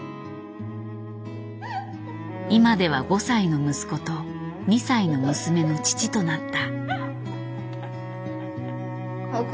今では５歳の息子と２歳の娘の父となった。